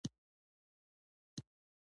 انساني نسلونه ده ته په توګه سپارل شوي.